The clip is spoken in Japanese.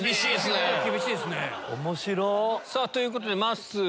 ということでまっすー